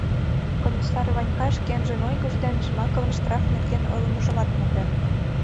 Комиссар Ванька шкенжын ойгыж дене Жмаковын штраф нерген ойлымыжымат монден.